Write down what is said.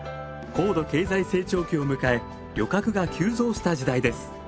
高度経済成長期を迎え旅客が急増した時代です。